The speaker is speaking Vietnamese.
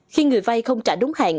khi người vây không trả đúng hạn